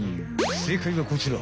正解はこちら。